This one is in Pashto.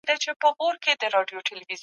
په پای کي تاسو ته نتیجه ښودل کیږي.